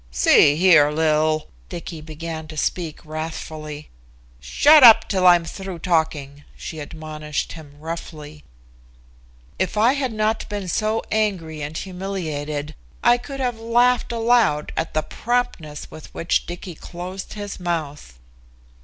"See here, Lil!" Dicky began to speak wrathfully. "Shut up till I'm through talking," she admonished him roughly. If I had not been so angry and humiliated I could have laughed aloud at the promptness with which Dicky closed his mouth.